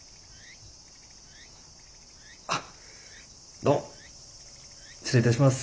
あっどうも失礼いたします。